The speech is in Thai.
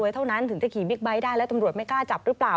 เท่านั้นถึงจะขี่บิ๊กไบท์ได้แล้วตำรวจไม่กล้าจับหรือเปล่า